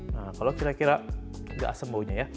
nah kalau kira kira gak asem baunya ya